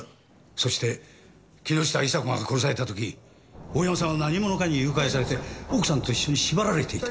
そして木下伊沙子が殺された時大山さんは何者かに誘拐されて奥さんと一緒に縛られていた。